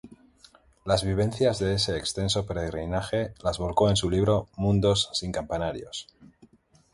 Las vivencias de ese extenso peregrinaje las volcó en su libro "Mundos sin campanarios".